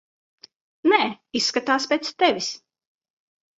Nē, izskatās pēc tevis.